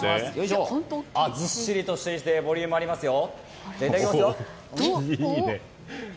ずっしりしていてボリュームがありますよ。